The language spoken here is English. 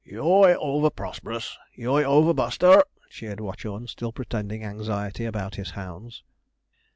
'Yooi over, Prosperous! Yooi over, Buster!' cheered Watchorn, still pretending anxiety about his hounds.